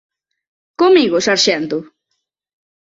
Comigo, sarxento?